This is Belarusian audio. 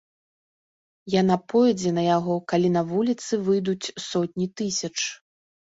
Яна пойдзе на яго, калі на вуліцы выйдуць сотні тысяч.